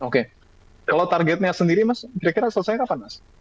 oke kalau targetnya sendiri mas kira kira selesai kapan mas